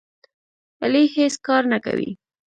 علي هېڅ کار نه کوي.